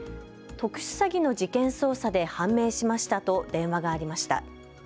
特殊詐欺の事件捜査で判明しましたと電話がありました。